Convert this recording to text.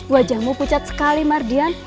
wajahmu pucat sekali mardian